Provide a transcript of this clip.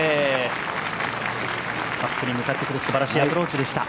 カップに向かってくる、すばらしいアプローチでした。